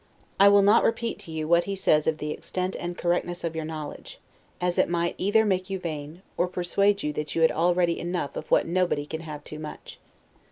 I will not repeat to you what he says of the extent and correctness of your knowledge, as it might either make you vain, or persuade you that you had already enough of what nobody can have too much.